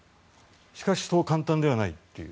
しかしそう簡単ではないという。